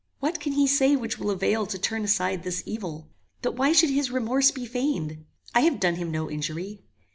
What can he say which will avail to turn aside this evil? But why should his remorse be feigned? I have done him no injury.